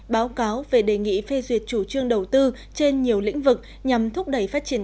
báo cáo về đề nghị phê duyệt chủ trương đầu tư trên nhiều lĩnh vực nhằm thúc đẩy phát triển